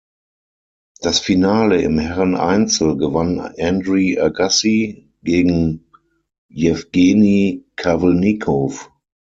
Das Finale im Herreneinzel gewann Andre Agassi gegen Jewgeni Kafelnikow.